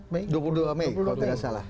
mei dua puluh dua mei kalau tidak salah